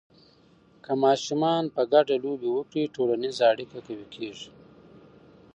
که ماشومان په ګډه لوبې وکړي، ټولنیزه اړیکه قوي کېږي.